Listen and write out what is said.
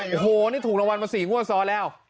โอ้โหนี่ถูกรางวัลมาสี่งั่วซ้อแล้ว